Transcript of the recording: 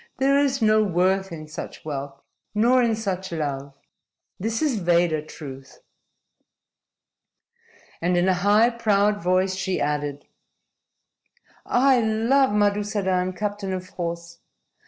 There is no worth in such wealth nor in such love. This is Veda truth." And in a high, proud voice she added: "I love Madusadan, captain of horse.